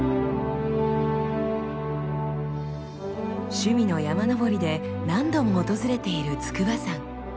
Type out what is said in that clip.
趣味の山登りで何度も訪れている筑波山。